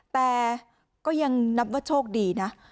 แต่ก็ยังนับว่าโชคดีนะ